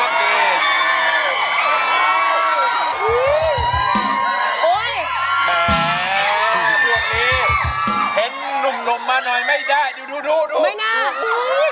ตัวนี้เห็นหนุ่มมาหน่อยไม่ได้ดู